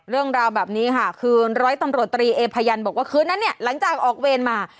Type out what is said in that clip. เรื่องราวแบบนี้ค่ะคือร้อยตำรวจตรีเอพยันบอกว่าคืนนั้นเนี่ยหลังจากออกเวรมา